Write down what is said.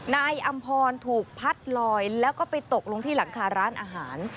อำพรถูกพัดลอยแล้วก็ไปตกลงที่หลังคาร้านอาหาร